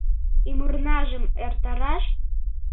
Ӱмырнажым эртараш?..